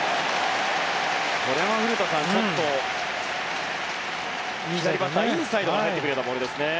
これは古田さん、ちょっと左バッターのインサイドに入ってくるボールですね。